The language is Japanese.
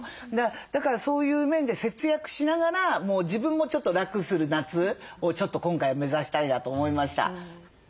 だからそういう面で節約しながらもう自分もちょっと楽する夏をちょっと今回目指したいなと思いました。